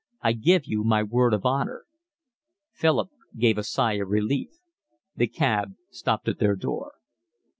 I give you my word of honour." Philip gave a sigh of relief. The cab stopped at their door.